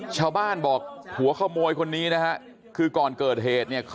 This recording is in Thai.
ชาวบ้านบอกหัวขโมยคนนี้นะฮะคือก่อนเกิดเหตุเนี่ย